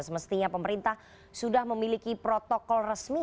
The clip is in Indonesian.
semestinya pemerintah sudah memiliki protokol resmi